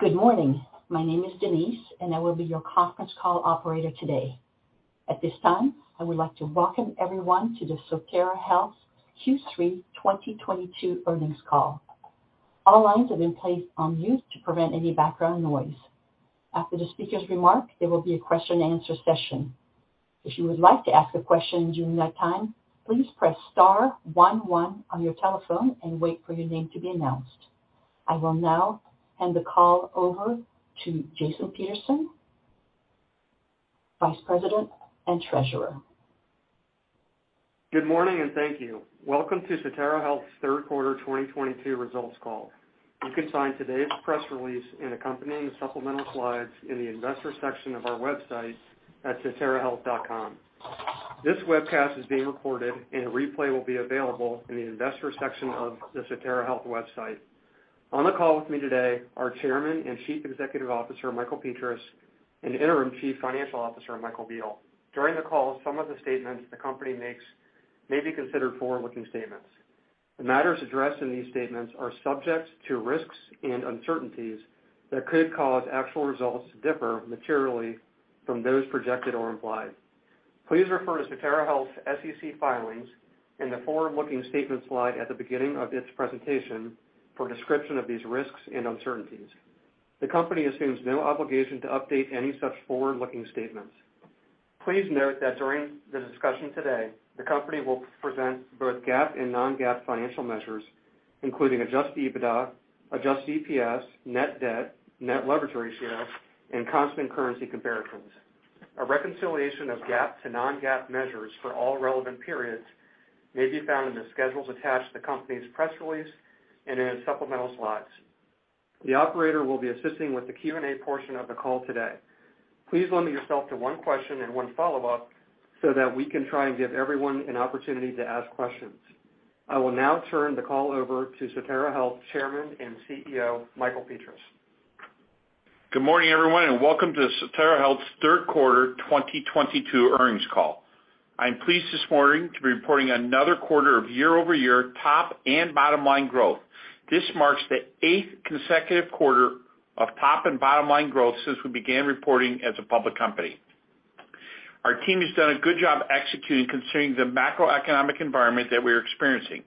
Good morning. My name is Denise, and I will be your conference call operator today. At this time, I would like to welcome everyone to the Sotera Health Q3 2022 earnings call. All lines have been placed on mute to prevent any background noise. After the speaker's remark, there will be a question and answer session. If you would like to ask a question during that time, please press star one one on your telephone and wait for your name to be announced. I will now hand the call over to Jason Peterson, Vice President and Treasurer. Good morning, and thank you. Welcome to Sotera Health's third quarter 2022 results call. You can find today's press release and accompanying supplemental slides in the investor section of our website at soterahealth.com. This webcast is being recorded and a replay will be available in the investor section of the Sotera Health website. On the call with me today are Chairman and Chief Executive Officer, Michael Petras, and Interim Chief Financial Officer, Michael Biehl. During the call, some of the statements the company makes may be considered forward-looking statements. The matters addressed in these statements are subject to risks and uncertainties that could cause actual results to differ materially from those projected or implied. Please refer to Sotera Health's SEC filings and the forward-looking statement slide at the beginning of its presentation for a description of these risks and uncertainties. The company assumes no obligation to update any such forward-looking statements. Please note that during the discussion today, the company will present both GAAP and non-GAAP financial measures, including adjusted EBITDA, adjusted EPS, net debt, net leverage ratio, and constant currency comparisons. A reconciliation of GAAP to non-GAAP measures for all relevant periods may be found in the schedules attached to the company's press release and in its supplemental slides. The operator will be assisting with the Q&A portion of the call today. Please limit yourself to one question and one follow-up so that we can try and give everyone an opportunity to ask questions. I will now turn the call over to Sotera Health Chairman and CEO, Michael Petras. Good morning, everyone, and welcome to Sotera Health's third quarter 2022 earnings call. I'm pleased this morning to be reporting another quarter of year-over-year top and bottom-line growth. This marks the eighth consecutive quarter of top and bottom-line growth since we began reporting as a public company. Our team has done a good job executing considering the macroeconomic environment that we're experiencing.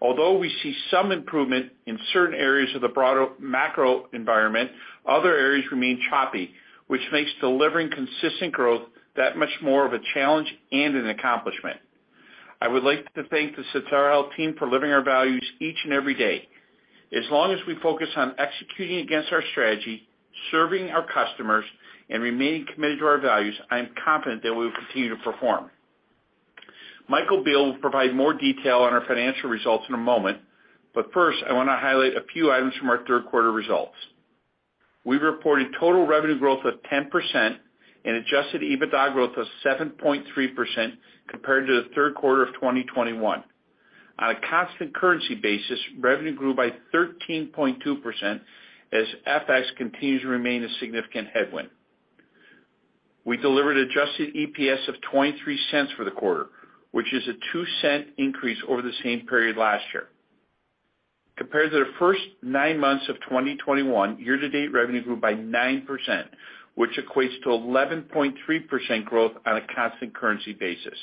Although we see some improvement in certain areas of the broader macro environment, other areas remain choppy, which makes delivering consistent growth that much more of a challenge and an accomplishment. I would like to thank the Sotera Health team for living our values each and every day. As long as we focus on executing against our strategy, serving our customers, and remaining committed to our values, I am confident that we will continue to perform. Michael Biehl will provide more detail on our financial results in a moment, but first, I wanna highlight a few items from our third quarter results. We reported total revenue growth of 10% and adjusted EBITDA growth of 7.3% compared to the third quarter of 2021. On a constant currency basis, revenue grew by 13.2% as FX continues to remain a significant headwind. We delivered adjusted EPS of $0.23 for the quarter, which is a $0.02 increase over the same period last year. Compared to the first nine months of 2021, year-to-date revenue grew by 9%, which equates to 11.3% growth on a constant currency basis.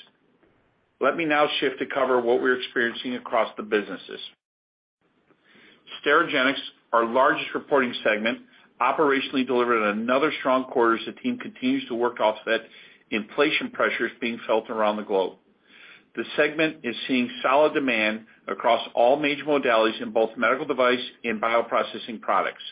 Let me now shift to cover what we're experiencing across the businesses. Sterigenics, our largest reporting segment, operationally delivered another strong quarter as the team continues to work to offset inflation pressures being felt around the globe. The segment is seeing solid demand across all major modalities in both medical device and bioprocessing products.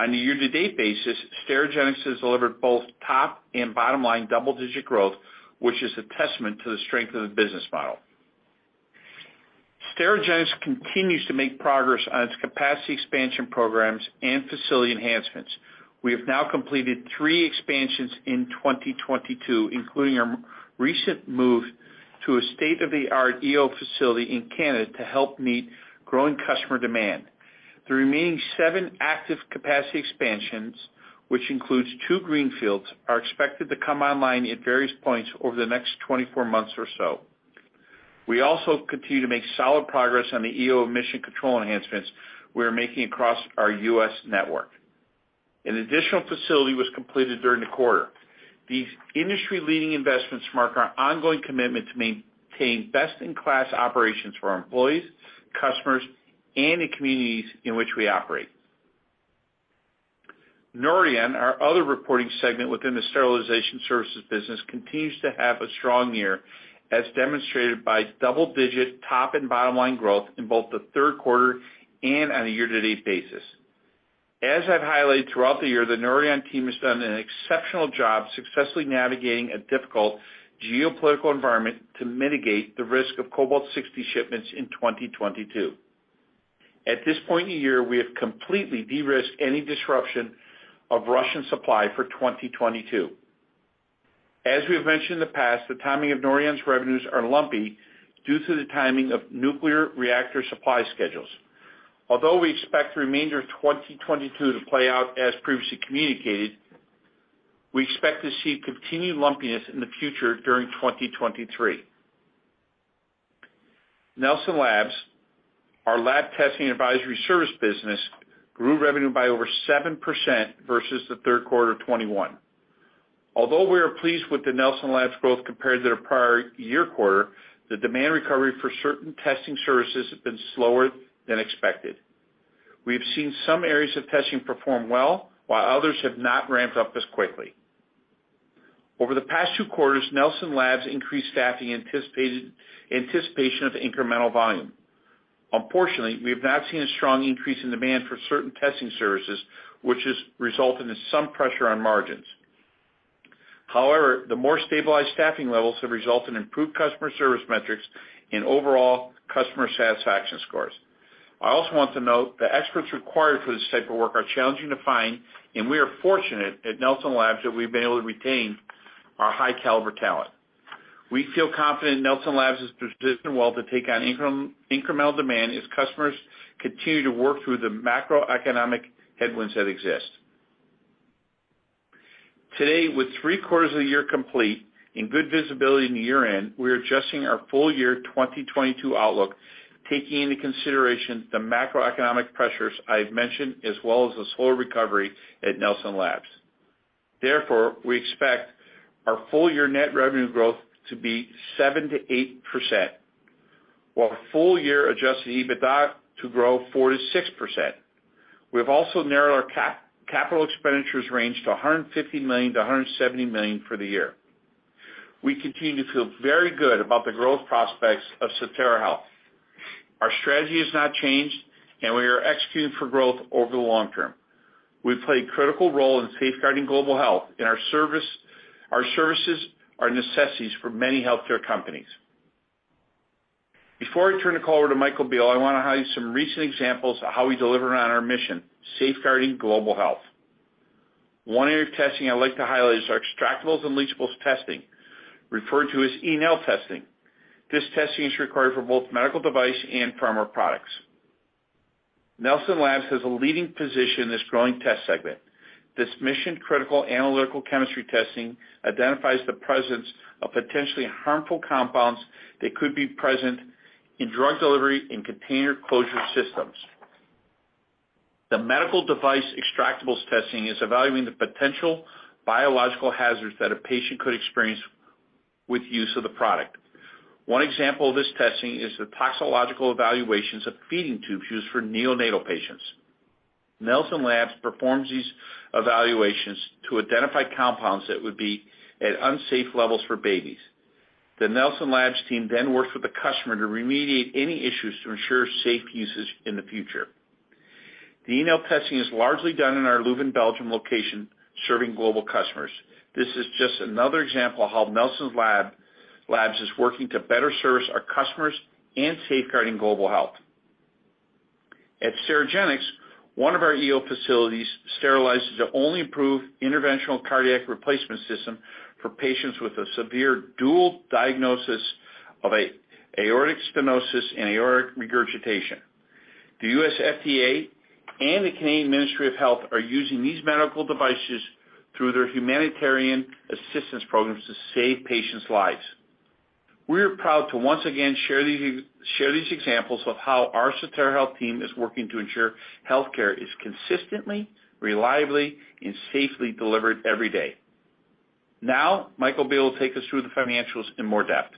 On a year-to-date basis, Sterigenics has delivered both top and bottom-line double-digit growth, which is a testament to the strength of the business model. Sterigenics continues to make progress on its capacity expansion programs and facility enhancements. We have now completed three expansions in 2022, including our most recent move to a state-of-the-art EO facility in Canada to help meet growing customer demand. The remaining seven active capacity expansions, which includes two greenfields, are expected to come online at various points over the next 24 months or so. We also continue to make solid progress on the EO emission control enhancements we are making across our U.S. network. An additional facility was completed during the quarter. These industry-leading investments mark our ongoing commitment to maintain best-in-class operations for our employees, customers, and the communities in which we operate. Nordion, our other reporting segment within the sterilization services business, continues to have a strong year, as demonstrated by double-digit top and bottom-line growth in both the third quarter and on a year-to-date basis. As I've highlighted throughout the year, the Nordion team has done an exceptional job successfully navigating a difficult geopolitical environment to mitigate the risk of Cobalt-60 shipments in 2022. At this point in the year, we have completely de-risked any disruption of Russian supply for 2022. As we have mentioned in the past, the timing of Nordion's revenues are lumpy due to the timing of nuclear reactor supply schedules. Although we expect the remainder of 2022 to play out as previously communicated, we expect to see continued lumpiness in the future during 2023. Nelson Labs, our lab testing advisory service business, grew revenue by over 7% versus the third quarter of 2021. Although we are pleased with the Nelson Labs growth compared to their prior year quarter, the demand recovery for certain testing services has been slower than expected. We have seen some areas of testing perform well, while others have not ramped up as quickly. Over the past two quarters, Nelson Labs increased staffing in anticipation of incremental volume. Unfortunately, we have not seen a strong increase in demand for certain testing services, which has resulted in some pressure on margins. However, the more stabilized staffing levels have resulted in improved customer service metrics and overall customer satisfaction scores. I also want to note the experts required for this type of work are challenging to find, and we are fortunate at Nelson Labs that we've been able to retain our high caliber talent. We feel confident Nelson Labs is positioned well to take on incremental demand as customers continue to work through the macroeconomic headwinds that exist. Today, with three-quarters of the year complete and good visibility in the year-end, we are adjusting our full year 2022 outlook, taking into consideration the macroeconomic pressures I've mentioned as well as the slower recovery at Nelson Labs. Therefore, we expect our full year net revenue growth to be 7%-8%, while full year adjusted EBITDA to grow 4%-6%. We have also narrowed our capital expenditures range to $150 million-$170 million for the year. We continue to feel very good about the growth prospects of Sotera Health. Our strategy has not changed, and we are executing for growth over the long term. We play a critical role in safeguarding global health, and our services are necessities for many healthcare companies. Before I turn the call over to Michael Biehl, I wanna highlight some recent examples of how we deliver on our mission, safeguarding global health. One area of testing I'd like to highlight is our extractables and leachables testing, referred to as E&L testing. This testing is required for both medical device and pharma products. Nelson Labs has a leading position in this growing test segment. This mission-critical analytical chemistry testing identifies the presence of potentially harmful compounds that could be present in drug delivery and container closure systems. The medical device extractables testing is evaluating the potential biological hazards that a patient could experience with use of the product. One example of this testing is the toxological evaluations of feeding tubes used for neonatal patients. Nelson Labs performs these evaluations to identify compounds that would be at unsafe levels for babies. The Nelson Labs team then works with the customer to remediate any issues to ensure safe usage in the future. The E&L testing is largely done in our Leuven, Belgium, location, serving global customers. This is just another example of how Nelson Labs is working to better service our customers and safeguarding global health. At Sterigenics, one of our EO facilities sterilizes the only approved interventional cardiac replacement system for patients with a severe dual diagnosis of aortic stenosis and aortic regurgitation. The U.S. FDA and Health Canada are using these medical devices through their humanitarian assistance programs to save patients' lives. We are proud to once again share these examples of how our Sotera Health team is working to ensure healthcare is consistently, reliably, and safely delivered every day. Now, Michael Biehl will take us through the financials in more depth.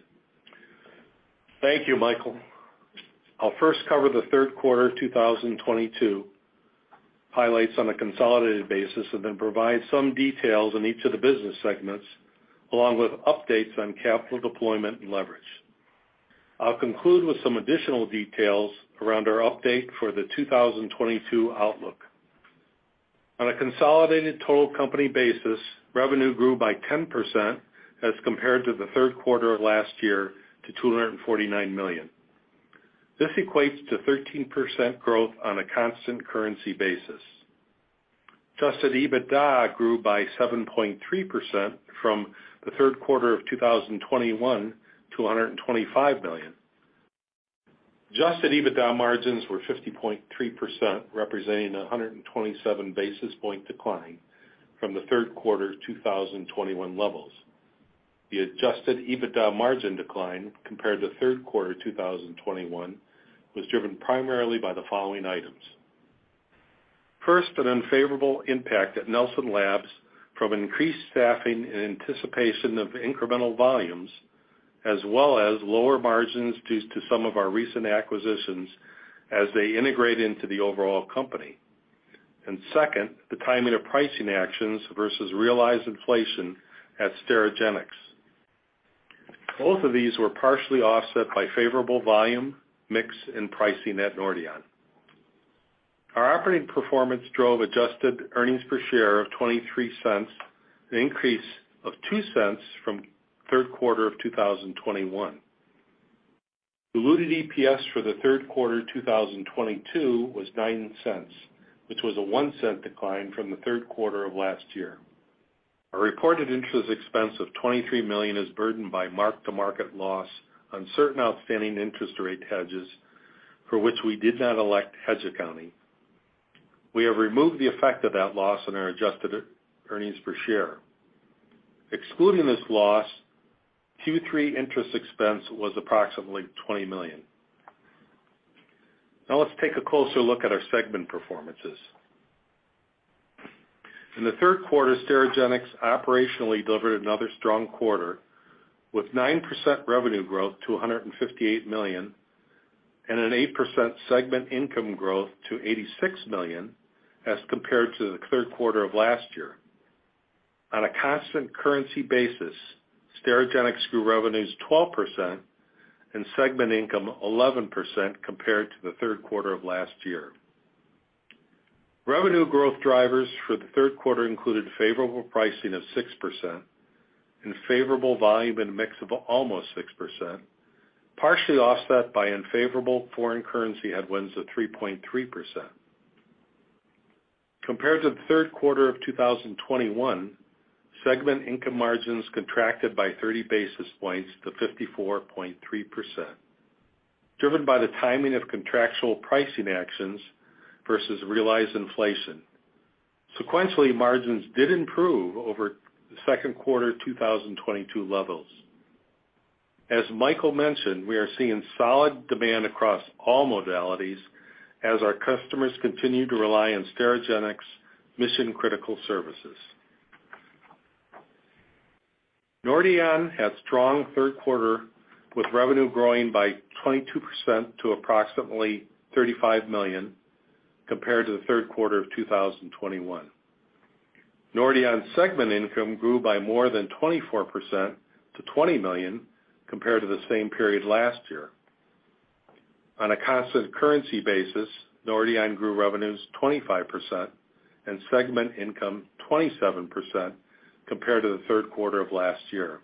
Thank you, Michael. I'll first cover the third quarter of 2022 highlights on a consolidated basis, and then provide some details on each of the business segments, along with updates on capital deployment and leverage. I'll conclude with some additional details around our update for the 2022 outlook. On a consolidated total company basis, revenue grew by 10% as compared to the third quarter of last year to $249 million. This equates to 13% growth on a constant currency basis. Adjusted EBITDA grew by 7.3% from the third quarter of 2021 to $125 million. Adjusted EBITDA margins were 50.3%, representing a 127 basis points decline from the third quarter 2021 levels. The adjusted EBITDA margin decline compared to third quarter 2021 was driven primarily by the following items. First, an unfavorable impact at Nelson Labs from increased staffing in anticipation of incremental volumes as well as lower margins due to some of our recent acquisitions as they integrate into the overall company. Second, the timing of pricing actions versus realized inflation at Sterigenics. Both of these were partially offset by favorable volume, mix, and pricing at Nordion. Our operating performance drove adjusted earnings per share of $0.23, an increase of $0.02 from third quarter of 2021. Diluted EPS for the third quarter 2022 was $0.09, which was a $0.01 decline from the third quarter of last year. Our reported interest expense of $23 million is burdened by mark-to-market loss on certain outstanding interest rate hedges for which we did not elect hedge accounting. We have removed the effect of that loss on our adjusted earnings per share. Excluding this loss, Q3 interest expense was approximately $20 million. Now let's take a closer look at our segment performances. In the third quarter, Sterigenics operationally delivered another strong quarter, with 9% revenue growth to $158 million and an 8% segment income growth to $86 million, as compared to the third quarter of last year. On a constant currency basis, Sterigenics grew revenues 12% and segment income 11% compared to the third quarter of last year. Revenue growth drivers for the third quarter included favorable pricing of 6%, and favorable volume and mix of almost 6%, partially offset by unfavorable foreign currency headwinds of 3.3%. Compared to the third quarter of 2021, segment income margins contracted by 30 basis points to 54.3%, driven by the timing of contractual pricing actions versus realized inflation. Sequentially, margins did improve over the second quarter 2022 levels. As Michael mentioned, we are seeing solid demand across all modalities as our customers continue to rely on Sterigenics' mission-critical services. Nordion had strong third quarter, with revenue growing by 22% to approximately $35 million compared to the third quarter of 2021. Nordion's segment income grew by more than 24% to $20 million compared to the same period last year. On a constant currency basis, Nordion grew revenues 25% and segment income 27% compared to the third quarter of last year.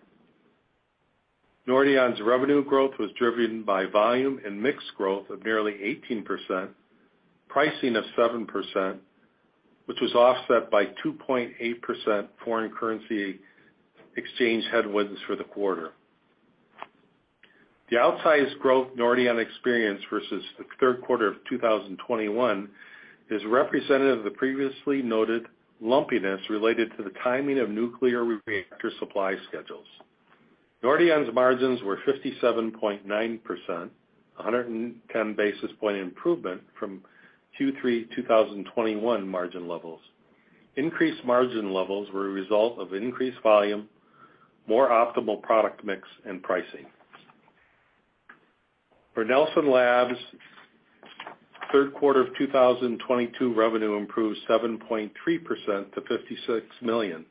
Nordion's revenue growth was driven by volume and mix growth of nearly 18%, pricing of 7%, which was offset by 2.8% foreign currency exchange headwinds for the quarter. The outsized growth Nordion experienced versus the third quarter of 2021 is representative of the previously noted lumpiness related to the timing of nuclear reactor supply schedules. Nordion's margins were 57.9%, 110 basis point improvement from Q3 2021 margin levels. Increased margin levels were a result of increased volume, more optimal product mix, and pricing. For Nelson Labs, third quarter of 2022 revenue improved 7.3% to $56 million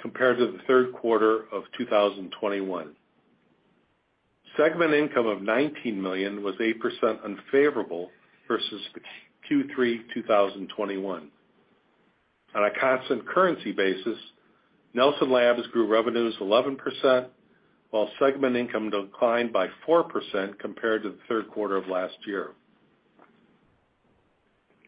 compared to the third quarter of 2021. Segment income of $19 million was 8% unfavorable versus Q3 2021. On a constant currency basis, Nelson Labs grew revenues 11%, while segment income declined by 4% compared to the third quarter of last year.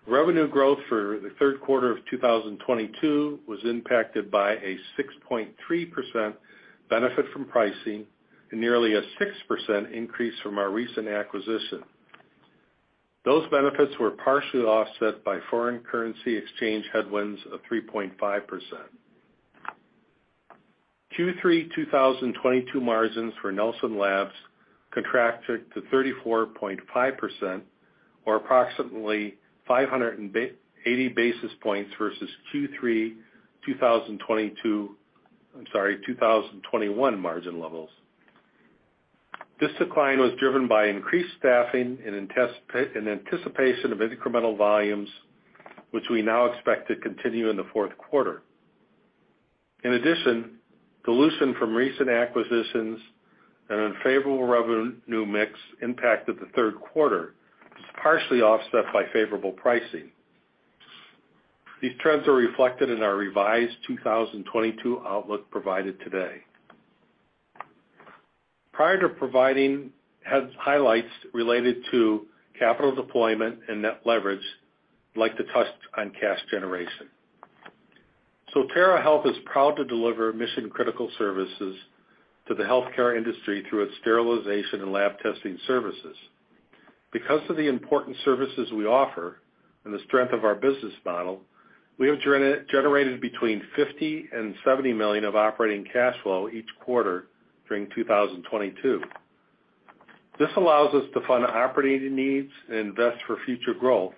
Revenue growth for the third quarter of 2022 was impacted by a 6.3% benefit from pricing and nearly a 6% increase from our recent acquisition. Those benefits were partially offset by foreign currency exchange headwinds of 3.5%. Q3 2022 margins for Nelson Labs contracted to 34.5% or approximately 580 basis points versus Q3 2021 margin levels. This decline was driven by increased staffing in anticipation of incremental volumes, which we now expect to continue in the fourth quarter. In addition, dilution from recent acquisitions and unfavorable revenue mix impacted the third quarter, partially offset by favorable pricing. These trends are reflected in our revised 2022 outlook provided today. Prior to providing highlights related to capital deployment and net leverage, I'd like to touch on cash generation. Sotera Health is proud to deliver mission-critical services to the healthcare industry through its sterilization and lab testing services. Because of the important services we offer and the strength of our business model, we have generated between $50 million and $70 million of operating cash flow each quarter during 2022. This allows us to fund operating needs and invest for future growth,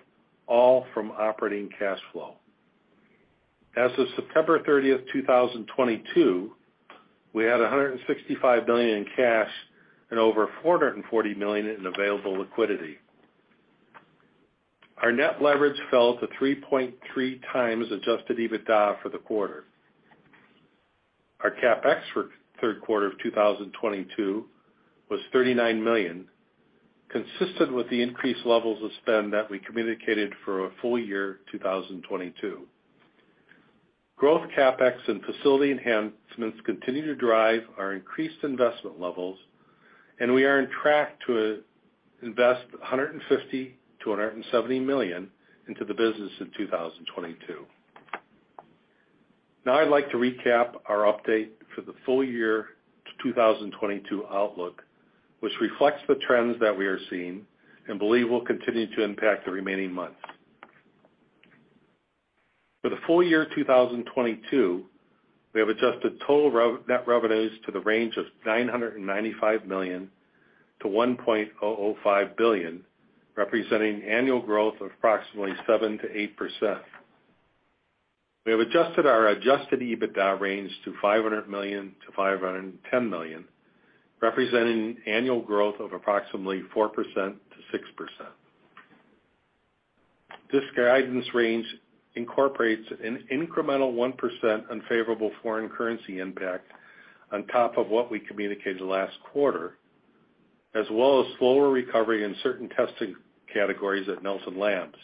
all from operating cash flow. As of September 30, 2022, we had $165 million in cash and over $440 million in available liquidity. Our net leverage fell to 3.3x adjusted EBITDA for the quarter. Our CapEx for third quarter of 2022 was $39 million, consistent with the increased levels of spend that we communicated for a full year 2022. Growth CapEx and facility enhancements continue to drive our increased investment levels, and we are on track to invest $150 million-$170 million into the business in 2022. Now I'd like to recap our update for the full year 2022 outlook, which reflects the trends that we are seeing and believe will continue to impact the remaining months. For the full year 2022, we have adjusted total net revenues to the range of $995 million-$1.05 billion, representing annual growth of approximately 7%-8%. We have adjusted our adjusted EBITDA range to $500 million-$510 million, representing annual growth of approximately 4%-6%. This guidance range incorporates an incremental 1% unfavorable foreign currency impact on top of what we communicated last quarter, as well as slower recovery in certain testing categories at Nelson Labs.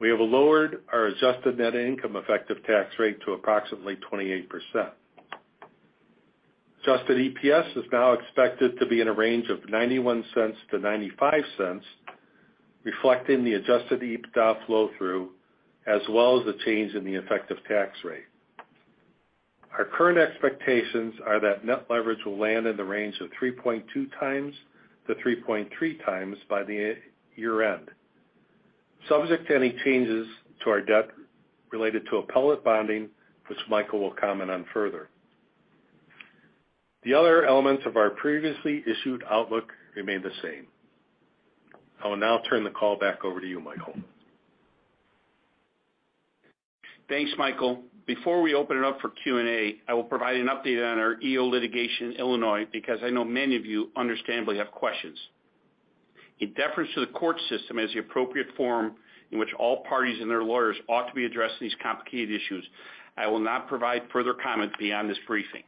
We have lowered our adjusted net income effective tax rate to approximately 28%. Adjusted EPS is now expected to be in a range of $0.91-$0.95, reflecting the adjusted EBITDA flow-through, as well as the change in the effective tax rate. Our current expectations are that net leverage will land in the range of 3.2x to 3.3x by the year-end, subject to any changes to our debt related to appellate bonding, which Michael will comment on further. The other elements of our previously issued outlook remain the same. I will now turn the call back over to you, Michael. Thanks, Michael. Before we open it up for Q&A, I will provide an update on our EO litigation in Illinois because I know many of you understandably have questions. In deference to the court system as the appropriate forum in which all parties and their lawyers ought to be addressing these complicated issues, I will not provide further comment beyond this briefing.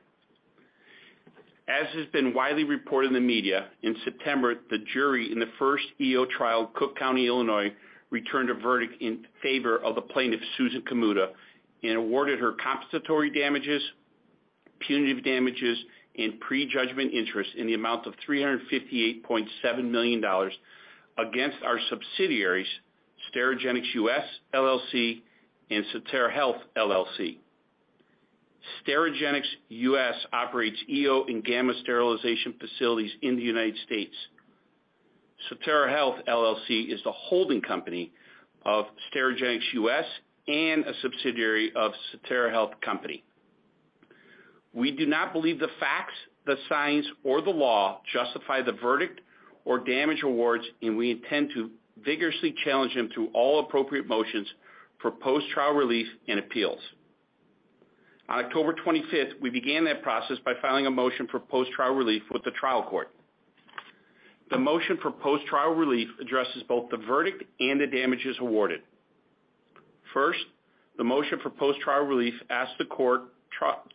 As has been widely reported in the media, in September, the jury in the first EO trial in Cook County, Illinois, returned a verdict in favor of the plaintiff, Susan Kamuda, and awarded her compensatory damages, punitive damages, and prejudgment interest in the amount of $358.7 million against our subsidiaries, Sterigenics U.S., LLC and Sotera Health LLC. Sterigenics U.S. operates EO and gamma sterilization facilities in the United States. Sotera Health LLC is the holding company of Sterigenics U.S. and a subsidiary of Sotera Health Company. We do not believe the facts, the science, or the law justify the verdict or damage awards, and we intend to vigorously challenge them through all appropriate motions for post-trial relief and appeals. On October 25, we began that process by filing a motion for post-trial relief with the trial court. The motion for post-trial relief addresses both the verdict and the damages awarded. First, the motion for post-trial relief asks the court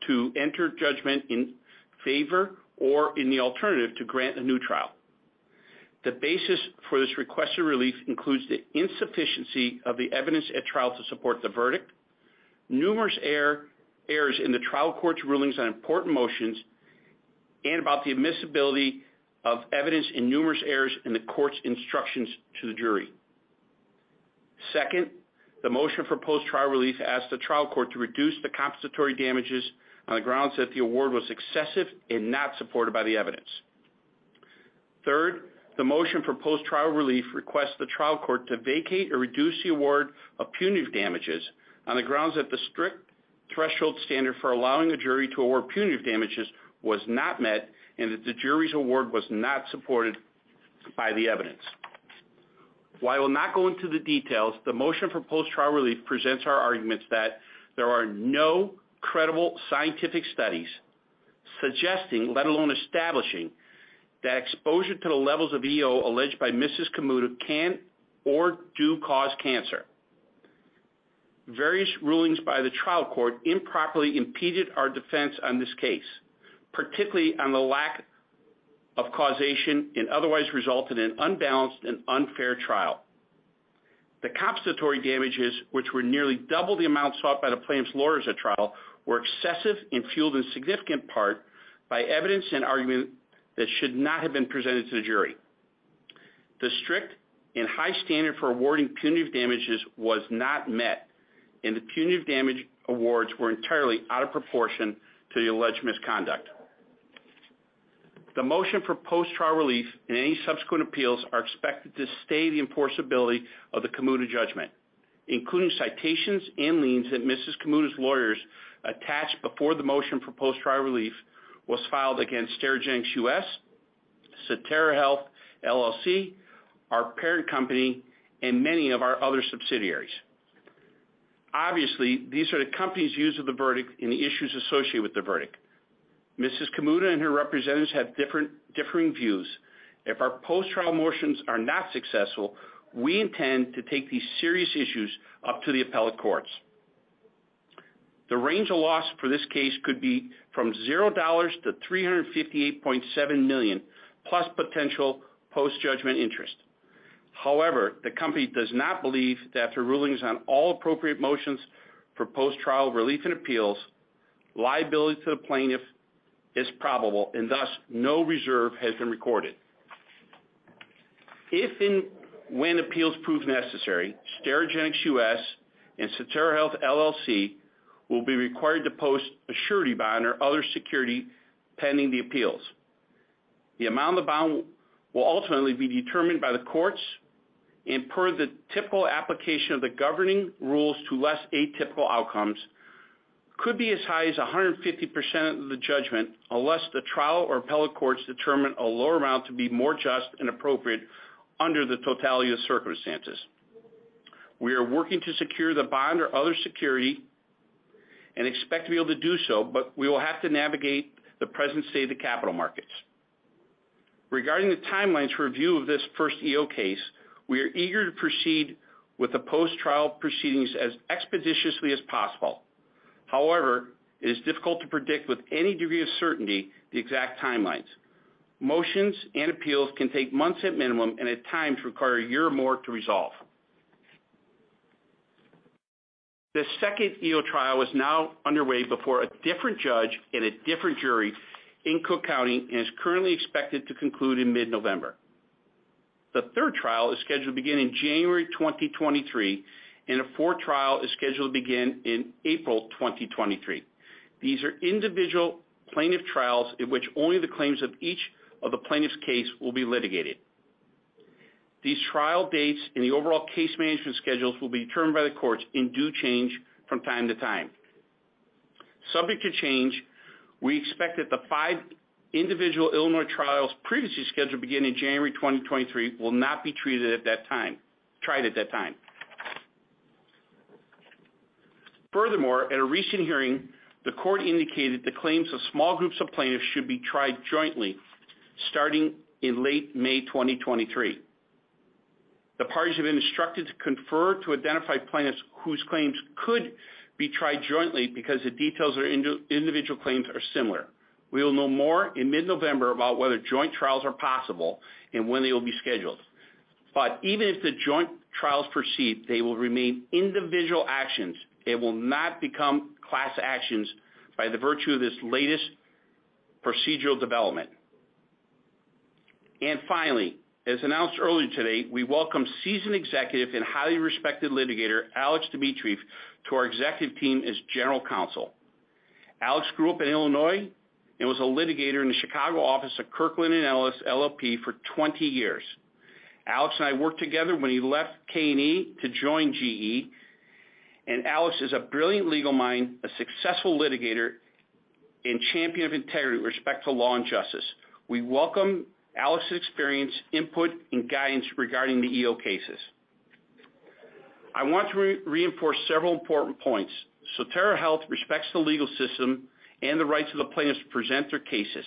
to enter judgment in our favor or, in the alternative, to grant a new trial. The basis for this requested relief includes the insufficiency of the evidence at trial to support the verdict, numerous errors in the trial court's rulings on important motions and about the admissibility of evidence and numerous errors in the court's instructions to the jury. Second, the motion for post-trial relief asks the trial court to reduce the compensatory damages on the grounds that the award was excessive and not supported by the evidence. Third, the motion for post-trial relief requests the trial court to vacate or reduce the award of punitive damages on the grounds that the strict threshold standard for allowing a jury to award punitive damages was not met and that the jury's award was not supported by the evidence. While I will not go into the details, the motion for post-trial relief presents our arguments that there are no credible scientific studies suggesting, let alone establishing, that exposure to the levels of EO alleged by Mrs. Kamuda can or do cause cancer. Various rulings by the trial court improperly impeded our defense on this case, particularly on the lack of causation, and otherwise resulted in unbalanced and unfair trial. The compensatory damages, which were nearly double the amount sought by the plaintiff's lawyers at trial, were excessive and fueled in significant part by evidence and argument that should not have been presented to the jury. The strict and high standard for awarding punitive damages was not met, and the punitive damage awards were entirely out of proportion to the alleged misconduct. The motion for post-trial relief and any subsequent appeals are expected to stay the enforceability of the Kamuda judgment, including citations and liens that Mrs. Kamuda's lawyers attached before the motion for post-trial relief was filed against Sterigenics U.S., Sotera Health LLC, our parent company, and many of our other subsidiaries. Obviously, these are the company's views of the verdict and the issues associated with the verdict. Mrs. Kamuda and her representatives have differing views. If our post-trial motions are not successful, we intend to take these serious issues up to the appellate courts. The range of loss for this case could be from $0 to $358.7 million, plus potential post-judgment interest. However, the company does not believe that after rulings on all appropriate motions for post-trial relief and appeals, liability to the plaintiff is probable, and thus no reserve has been recorded. If and when appeals prove necessary, Sterigenics U.S., LLC and Sotera Health LLC will be required to post a surety bond or other security pending the appeals. The amount of the bond will ultimately be determined by the courts and per the typical application of the governing rules to less atypical outcomes could be as high as 150% of the judgment, unless the trial or appellate courts determine a lower amount to be more just and appropriate under the totality of circumstances. We are working to secure the bond or other security and expect to be able to do so, but we will have to navigate the present state of the capital markets. Regarding the timelines for review of this first EO case, we are eager to proceed with the post-trial proceedings as expeditiously as possible. However, it is difficult to predict with any degree of certainty the exact timelines. Motions and appeals can take months at minimum, and at times require a year or more to resolve. The second EO trial is now underway before a different judge and a different jury in Cook County, and is currently expected to conclude in mid-November. The third trial is scheduled to begin in January 2023, and a fourth trial is scheduled to begin in April 2023. These are individual plaintiff trials in which only the claims of each of the plaintiff's case will be litigated. These trial dates and the overall case management schedules will be determined by the courts and do change from time to time. Subject to change, we expect that the five individual Illinois trials previously scheduled to begin in January 2023 will not be tried at that time. Furthermore, at a recent hearing, the court indicated the claims of small groups of plaintiffs should be tried jointly starting in late May 2023. The parties have been instructed to confer to identify plaintiffs whose claims could be tried jointly because the details of individual claims are similar. We will know more in mid-November about whether joint trials are possible and when they will be scheduled. Even if the joint trials proceed, they will remain individual actions. They will not become class actions by virtue of this latest procedural development. Finally, as announced earlier today, we welcome seasoned executive and highly respected litigator, Alex Dimitrief, to our executive team as General Counsel. Alex grew up in Illinois and was a litigator in the Chicago office of Kirkland & Ellis LLP for 20 years. Alex and I worked together when he left K&E to join GE. Alex is a brilliant legal mind, a successful litigator, and champion of integrity with respect to law and justice. We welcome Alex's experience, input, and guidance regarding the EO cases. I want to reinforce several important points. Sotera Health respects the legal system and the rights of the plaintiffs to present their cases.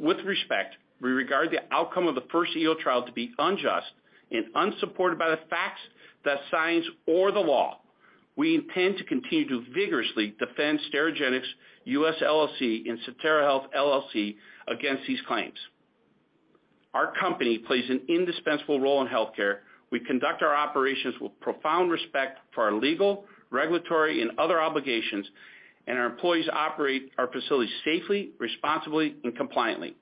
With respect, we regard the outcome of the first EO trial to be unjust and unsupported by the facts, the science or the law. We intend to continue to vigorously defend Sterigenics U.S., LLC and Sotera Health LLC against these claims. Our company plays an indispensable role in healthcare. We conduct our operations with profound respect for our legal, regulatory, and other obligations, and our employees operate our facilities safely, responsibly, and compliantly.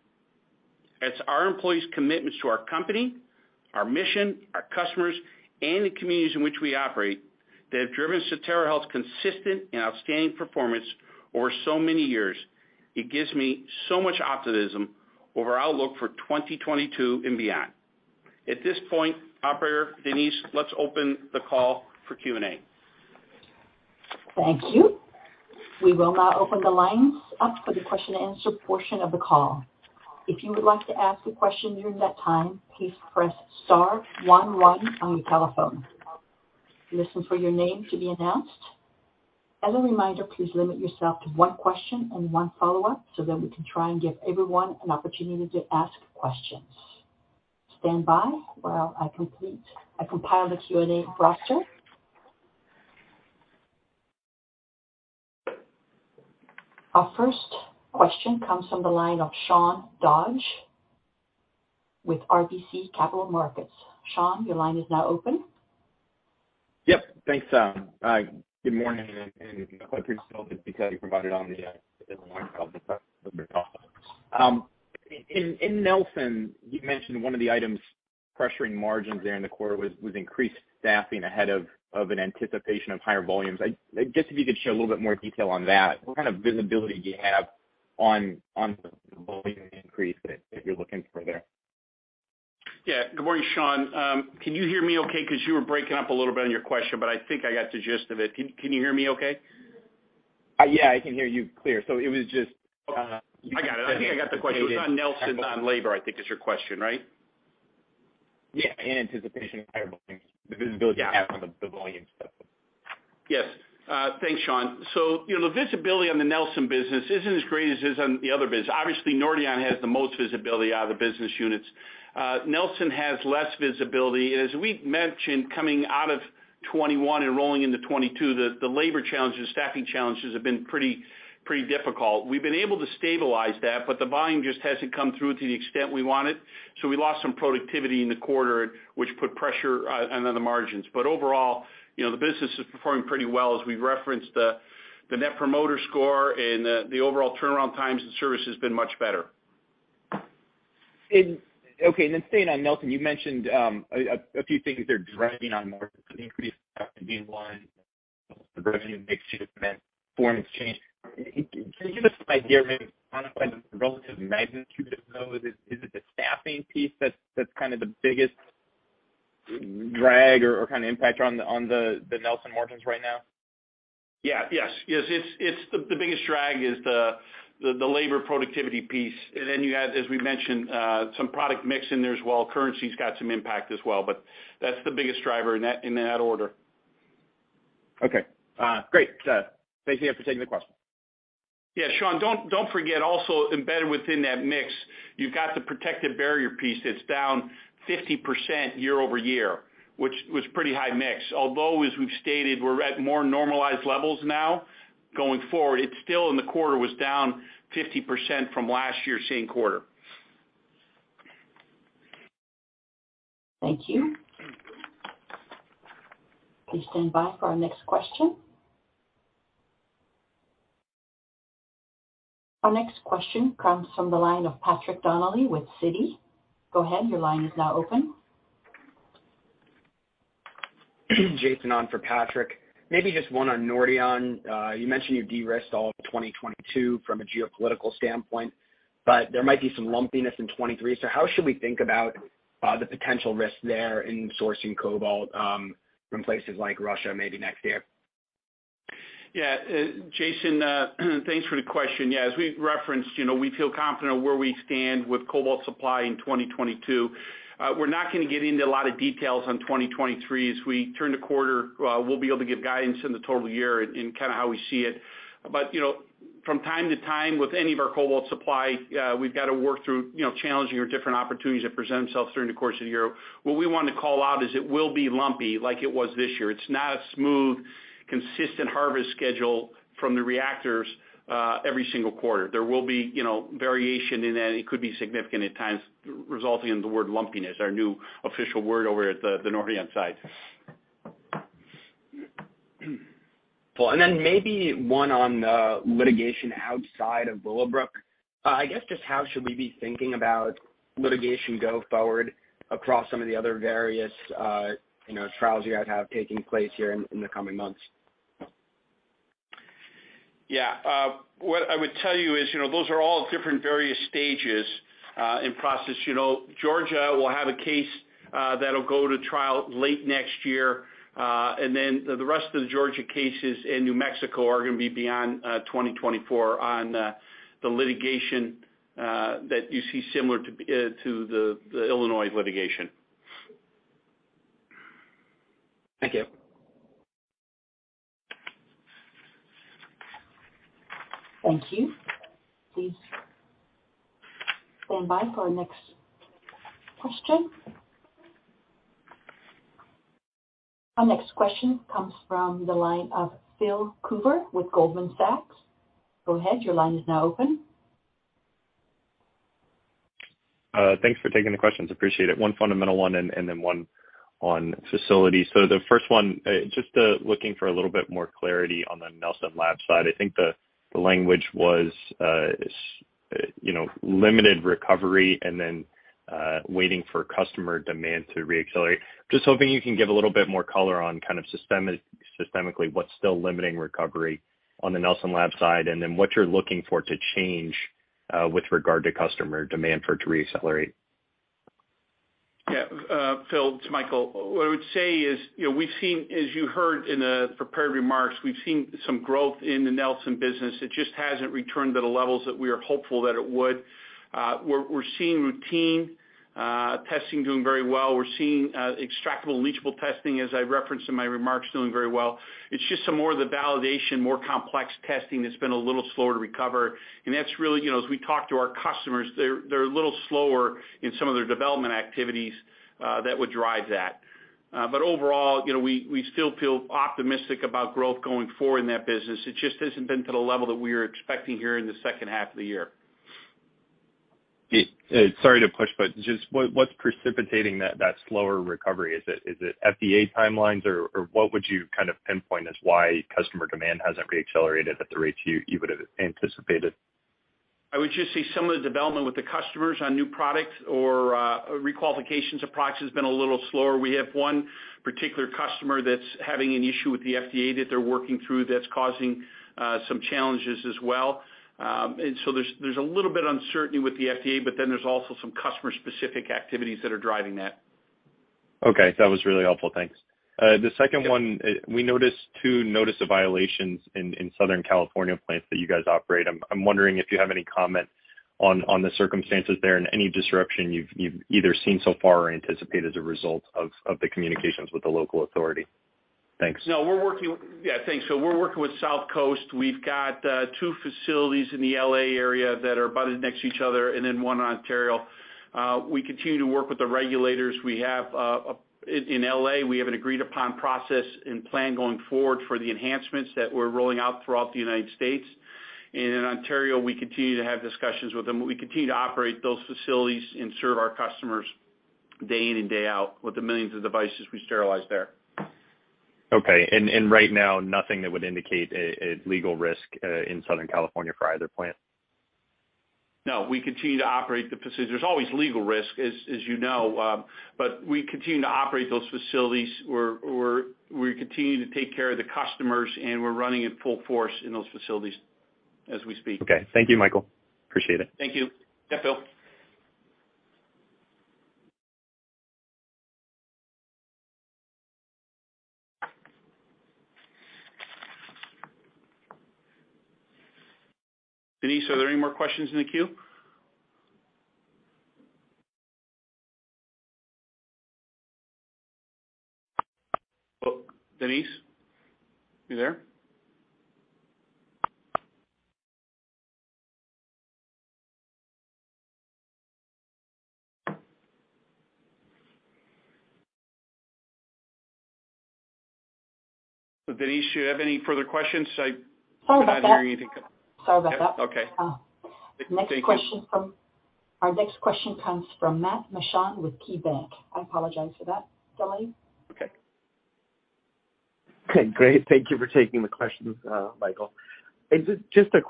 It's our employees' commitments to our company, our mission, our customers, and the communities in which we operate that have driven Sotera Health's consistent and outstanding performance over so many years. It gives me so much optimism over our outlook for 2022 and beyond. At this point, Operator Denise, let's open the call for Q&A. Thank you. We will now open the lines up for the question and answer portion of the call. If you would like to ask a question during that time, please press star one one on your telephone and listen for your name to be announced. As a reminder, please limit yourself to one question and one follow-up so that we can try and give everyone an opportunity to ask questions. Stand by while I compile the Q&A roster. Our first question comes from the line of Sean Dodge with RBC Capital Markets. Sean, your line is now open. Yep. Thanks, hi. Good morning, and I appreciate all the detail you provided on the earnings call. In Nelson, you mentioned one of the items pressuring margins there in the quarter was increased staffing ahead of an anticipation of higher volumes. Just if you could share a little bit more detail on that. What kind of visibility do you have on the volume increase that you're looking for there? Yeah. Good morning, Sean. Can you hear me okay? 'Cause you were breaking up a little bit on your question, but I think I got the gist of it. Can you hear me okay? Yeah, I can hear you clear. It was just, I got it. I think I got the question. It was on Nelson, on labor, I think is your question, right? Yeah. In anticipation of higher volumes, the visibility you have on the volume stuff. Yes. Thanks, Sean. You know, the visibility on the Nelson business isn't as great as is on the other business. Obviously, Nordion has the most visibility out of the business units. Nelson has less visibility. As we've mentioned, coming out of 2021 and rolling into 2022, the labor challenges, staffing challenges have been pretty difficult. We've been able to stabilize that, but the volume just hasn't come through to the extent we wanted, so we lost some productivity in the quarter, which put pressure on the margins. Overall, you know, the business is performing pretty well. As we've referenced the net promoter score and the overall turnaround times and service has been much better. Okay, staying on Nelson, you mentioned a few things that are dragging on margins, I think increased capital being one, the revenue mix shift and foreign exchange. Can you give us some idea, maybe quantify the relative magnitude of those? Is it the staffing piece that's kind of the biggest drag or kind of impact on the Nelson margins right now? Yeah. Yes. Yes. It's the biggest drag is the labor productivity piece. You add, as we mentioned, some product mix in there as well. Currency's got some impact as well, but that's the biggest driver in that order. Okay. Great. Thanks again for taking the question. Yeah, Sean, don't forget also embedded within that mix, you've got the protective barrier piece that's down 50% year-over-year, which was pretty high mix. Although as we've stated, we're at more normalized levels now going forward. It's still in the quarter was down 50% from last year, same quarter. Thank you. Please stand by for our next question. Our next question comes from the line of Patrick Donnelly with Citi. Go ahead, your line is now open. Jason on for Patrick. Maybe just one on Nordion. You mentioned you de-risked all of 2022 from a geopolitical standpoint, but there might be some lumpiness in 2023. How should we think about the potential risk there in sourcing cobalt from places like Russia maybe next year? Yeah, Jason, thanks for the question. Yeah, as we referenced, you know, we feel confident on where we stand with cobalt supply in 2022. We're not gonna get into a lot of details on 2023. As we turn the quarter, we'll be able to give guidance in the total year in kind of how we see it. You know, from time to time with any of our cobalt supply, we've got to work through, you know, challenging or different opportunities that present themselves during the course of the year. What we want to call out is it will be lumpy like it was this year. It's not a smooth, consistent harvest schedule from the reactors every single quarter. There will be, you know, variation in that. It could be significant at times, resulting in the word lumpiness, our new official word over at the Nordion site. Cool. Maybe one on the litigation outside of Willowbrook. I guess, just how should we be thinking about litigation going forward across some of the other various, you know, trials you guys are taking place here in the coming months? Yeah. What I would tell you is, you know, those are all different various stages and process. You know, Georgia will have a case that'll go to trial late next year. The rest of the Georgia cases and New Mexico are gonna be beyond 2024 on the litigation that you see similar to the Illinois litigation. Thank you. Thank you. Please stand by for our next question. Our next question comes from the line of Phil Coover with Goldman Sachs. Go ahead, your line is now open. Thanks for taking the questions. Appreciate it. One fundamental one and then one on facilities. The first one, just looking for a little bit more clarity on the Nelson Labs side. I think the language was, you know, limited recovery and then waiting for customer demand to reaccelerate. Just hoping you can give a little bit more color on kind of systemically what's still limiting recovery on the Nelson Labs side, and then what you're looking for to change with regard to customer demand for it to reaccelerate. Yeah. Phil, it's Michael. What I would say is, you know, we've seen, as you heard in the prepared remarks, we've seen some growth in the Nelson business. It just hasn't returned to the levels that we are hopeful that it would. We're seeing routine testing doing very well. We're seeing extractables and leachables testing, as I referenced in my remarks, doing very well. It's just some more of the validation, more complex testing that's been a little slower to recover. That's really, you know, as we talk to our customers, they're a little slower in some of their development activities that would drive that. But overall, you know, we still feel optimistic about growth going forward in that business. It just hasn't been to the level that we were expecting here in the second half of the year. Sorry to push, but just what's precipitating that slower recovery? Is it FDA timelines or what would you kind of pinpoint as why customer demand hasn't reaccelerated at the rates you would have anticipated? I would just say some of the development with the customers on new products or requalifications of products has been a little slower. We have one particular customer that's having an issue with the FDA that they're working through that's causing some challenges as well. There's a little bit of uncertainty with the FDA, but then there's also some customer specific activities that are driving that. Okay, that was really helpful. Thanks. The second one- Yep. We noticed two notices of violations in Southern California plants that you guys operate. I'm wondering if you have any comment on the circumstances there and any disruption you've either seen so far or anticipate as a result of the communications with the local authority. Thanks. No, we're working. Yeah, thanks. We're working with South Coast. We've got two facilities in the L.A. area that are butted next to each other and then one in Ontario. We continue to work with the regulators. We have a— In L.A., we have an agreed upon process and plan going forward for the enhancements that we're rolling out throughout the United States. And in Ontario, we continue to have discussions with them. We continue to operate those facilities and serve our customers day in and day out with the millions of devices we sterilize there. Okay. Right now, nothing that would indicate a legal risk in Southern California for either plant? No, we continue to operate. There's always legal risk, as you know, but we continue to operate those facilities. We continue to take care of the customers, and we're running at full force in those facilities as we speak. Okay. Thank you, Michael. Appreciate it. Thank you. Yeah, Phil. Denise, are there any more questions in the queue? Oh, Denise, you there? Denise, do you have any further questions? I'm not hearing anything. Sorry about that. Yep. Okay. Um. Thank you. Our next question comes from Matthew Mishan with KeyBanc. I apologize for that delay. Okay. Okay, great. Thank you for taking the questions, Michael. Just a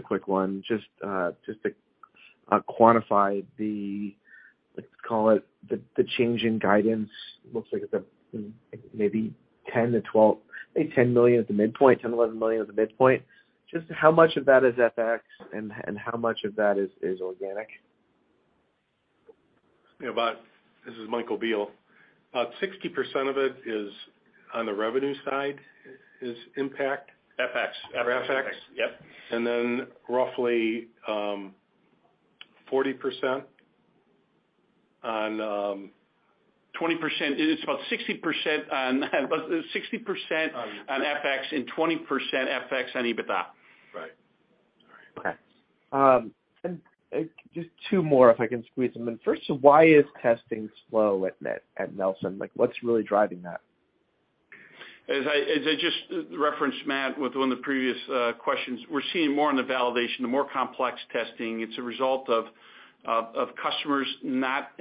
quick one. Just to quantify, let's call it the change in guidance. Looks like it's maybe $10 million-$12 million, maybe $10 million-$11 million at the midpoint. Just how much of that is FX and how much of that is organic? This is Michael Biehl. About 60% of it is on the revenue side is impact. FX. FX. FX. Yep. Roughly 20%. It is about 60% on FX and 20% FX on EBITDA. Right. All right. Okay. Just two more, if I can squeeze them in. First, why is testing slow at Nelson? Like, what's really driving that? As I just referenced, Matt, with one of the previous questions, we're seeing more on the validation, the more complex testing. It's a result of customers not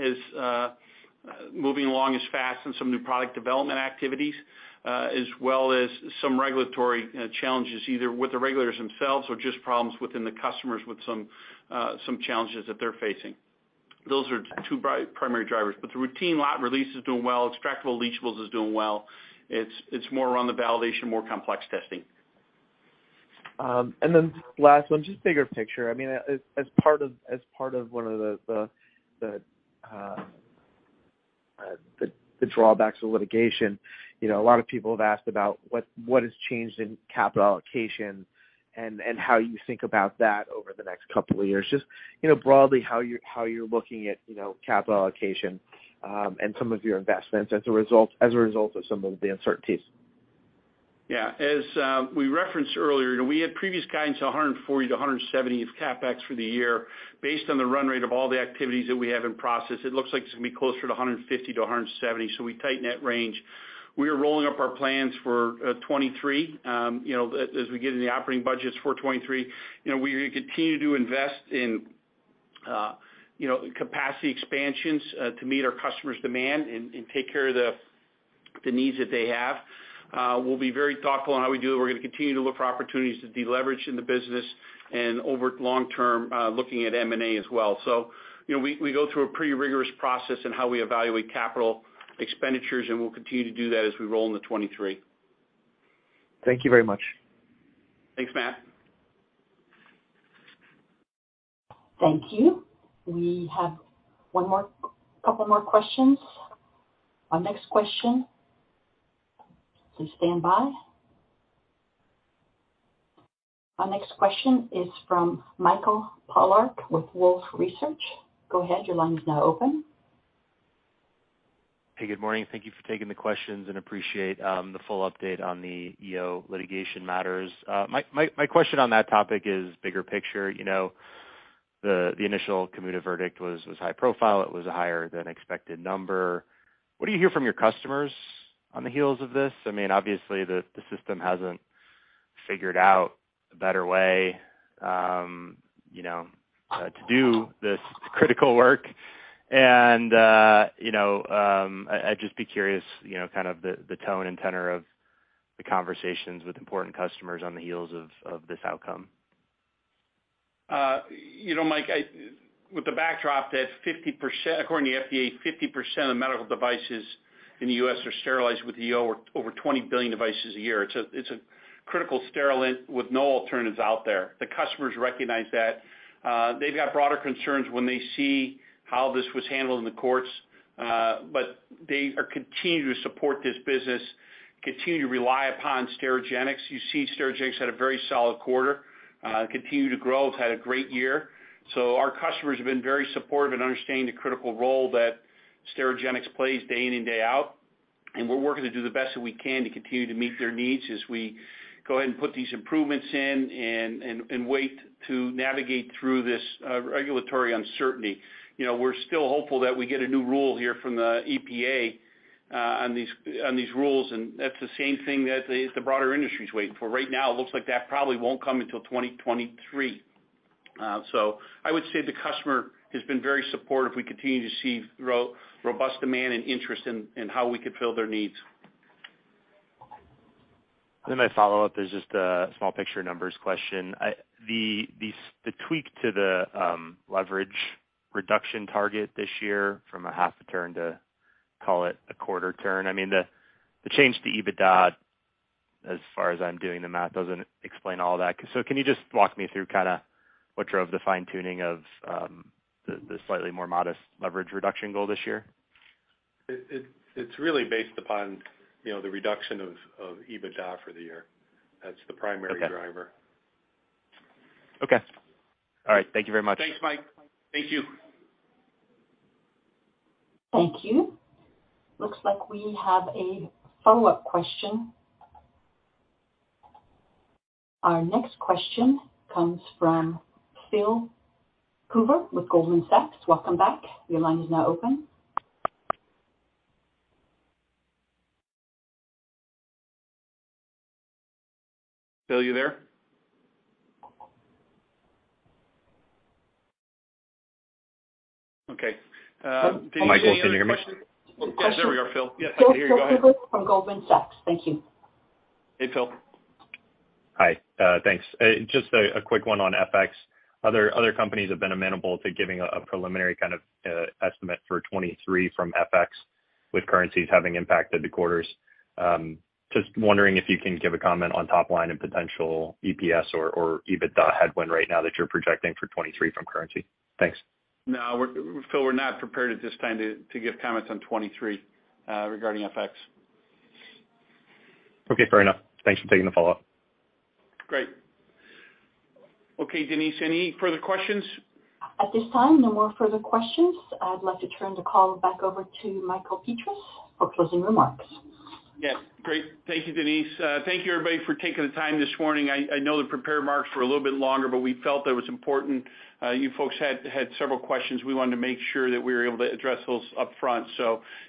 moving along as fast on some new product development activities, as well as some regulatory challenges, either with the regulators themselves or just problems within the customers with some challenges that they're facing. Those are two primary drivers. The routine lot release is doing well. Extractables and Leachables is doing well. It's more around the validation, more complex testing. Then last one, just bigger picture. I mean, as part of one of the drawbacks of litigation, you know, a lot of people have asked about what has changed in capital allocation and how you think about that over the next couple of years. Just, you know, broadly how you're looking at, you know, capital allocation, and some of your investments as a result of some of the uncertainties. Yeah. As we referenced earlier, you know, we had previous guidance of $140-$170 of CapEx for the year. Based on the run rate of all the activities that we have in process, it looks like it's gonna be closer to $150-$170, so we tighten that range. We are rolling up our plans for 2023. You know, as we get in the operating budgets for 2023, you know, we continue to invest in, you know, capacity expansions to meet our customers' demand and take care of the needs that they have. We'll be very thoughtful on how we do it. We're gonna continue to look for opportunities to deleverage in the business and over long term, looking at M&A as well. You know, we go through a pretty rigorous process in how we evaluate capital expenditures, and we'll continue to do that as we roll into 2023. Thank you very much. Thanks, Matt. Thank you. We have couple more questions. Our next question. Please stand by. Our next question is from Michael Polark with Wolfe Research. Go ahead, your line is now open. Hey, good morning. Thank you for taking the questions and appreciate the full update on the EO litigation matters. My question on that topic is bigger picture. You know, the initial Kamuda verdict was high profile. It was a higher than expected number. What do you hear from your customers on the heels of this? I mean, obviously the system hasn't figured out a better way, you know, to do this critical work. I'd just be curious, you know, kind of the tone and tenor of the conversations with important customers on the heels of this outcome. You know, Mike, with the backdrop that 50%, according to FDA, of medical devices in the U.S. are sterilized with EO, or over 20 billion devices a year. It's a critical sterilant with no alternatives out there. The customers recognize that. They've got broader concerns when they see how this was handled in the courts, but they are continuing to support this business, continue to rely upon Sterigenics. You see Sterigenics had a very solid quarter. Continue to grow. It's had a great year. Our customers have been very supportive and understanding the critical role that Sterigenics plays day in and day out. We're working to do the best that we can to continue to meet their needs as we go ahead and put these improvements in and way to navigate through this regulatory uncertainty. You know, we're still hopeful that we get a new rule here from the EPA on these rules, and that's the same thing that the broader industry is waiting for. Right now, it looks like that probably won't come until 2023. I would say the customer has been very supportive. We continue to see robust demand and interest in how we could fill their needs. My follow-up is just a small picture numbers question. The tweak to the leverage reduction target this year from a half a turn to call it a quarter turn. I mean, the change to EBITDA, as far as I'm doing the math, doesn't explain all that. Can you just walk me through kinda what drove the fine-tuning of the slightly more modest leverage reduction goal this year? It's really based upon, you know, the reduction of EBITDA for the year. Okay. That's the primary driver. Okay. All right. Thank you very much. Thanks, Mike. Thank you. Thank you. Looks like we have a follow-up question. Our next question comes from Phil Coover with Goldman Sachs. Welcome back. Your line is now open. Phil, you there? Okay, Denise, any other questions? Michael, can you hear me? Oh, there we are, Phil. Yes, I can hear you. Go ahead. Phil Coover from Goldman Sachs. Thank you. Hey, Phil. Hi, thanks. Just a quick one on FX. Other companies have been amenable to giving a preliminary kind of estimate for 2023 from FX with currencies having impacted the quarters. Just wondering if you can give a comment on top line and potential EPS or EBITDA headwind right now that you're projecting for 2023 from currency. Thanks. No. Phil, we're not prepared at this time to give comments on 2023 regarding FX. Okay. Fair enough. Thanks for taking the follow-up. Great. Okay, Denise, any further questions? At this time, no more further questions. I'd like to turn the call back over to Michael Petras for closing remarks. Yes. Great. Thank you, Denise. Thank you, everybody, for taking the time this morning. I know the prepared marks were a little bit longer, but we felt it was important. You folks had several questions. We wanted to make sure that we were able to address those upfront.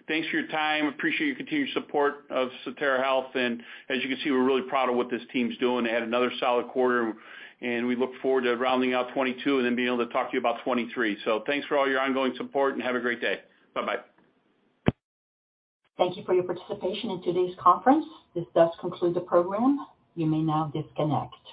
Thanks for your time. Appreciate your continued support of Sotera Health. As you can see, we're really proud of what this team's doing. They had another solid quarter, and we look forward to rounding out 2022 and then being able to talk to you about 2023. Thanks for all your ongoing support, and have a great day. Bye-bye. Thank you for your participation in today's conference. This does conclude the program. You may now disconnect.